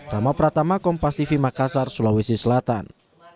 rama pratama kompas tv makassar sulawesi selatan